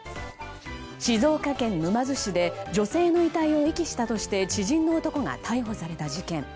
静岡県沼津市で女性の遺体を遺棄したとして知人の男が逮捕された事件。